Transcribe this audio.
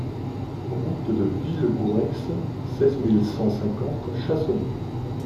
Route de Villegoureix, seize mille cent cinquante Chassenon